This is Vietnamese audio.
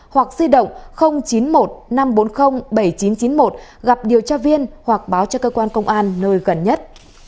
hoặc di động chín mươi một năm trăm bốn mươi bảy nghìn chín trăm chín mươi một gặp điều tra viên hoặc báo cho cơ quan công an nơi gần nhất